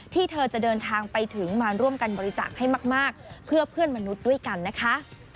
ที่เธอจะเดินทางไปถึงมาร่วมกันบริจาคให้มากเพื่อเพื่อนมนุษย์ด้วยกันนะคะ